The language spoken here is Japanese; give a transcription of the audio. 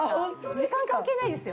時間関係ないですよ。